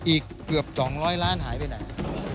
อีกเกือบ๒๐๐ล้านหายไปไหน